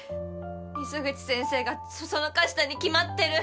水口先生が唆したに決まってる。